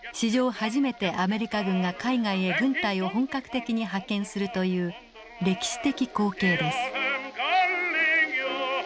初めてアメリカ軍が海外へ軍隊を本格的に派遣するという歴史的光景です。